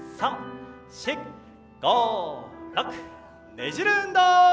ねじる運動。